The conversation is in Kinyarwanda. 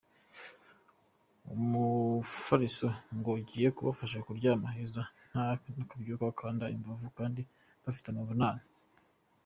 Umufariso ngo ugiye kubafasha kuryama heza nta kubyuka bakanda imbavu cyangwa bafite amavunane.